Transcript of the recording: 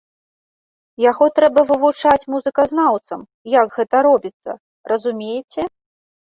Яго трэба вывучаць музыказнаўцам, як гэта робіцца, разумееце?